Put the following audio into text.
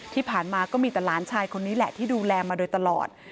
ที่ผ่านมาก็มีแต่หลานชายคนนี้แหละที่ดูแลมาโดยตลอด